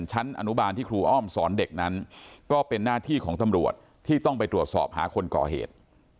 ชั้นอนุบาลที่ครูอ้อมสอนเด็กนั้นก็เป็นหน้าที่ของตำรวจที่ต้องไปตรวจสอบหาคนก่อเหตุ